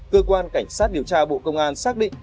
cơ quan cảnh sát điều tra bộ công an xác định